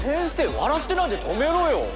笑ってないで止めろよ！